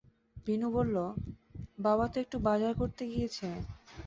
বিনু বলল, বাবা তো একটু বাজার করতে গিয়েছে।